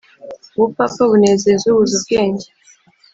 ubupfapfa bunezeza ubuze ubwenge,